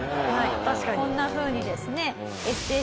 こんなふうにですねＳＦ